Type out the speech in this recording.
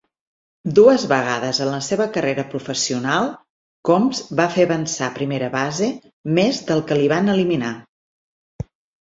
Dues vegades en la seva carrera professional Combs va fer avançar a primera base més del que li van eliminar.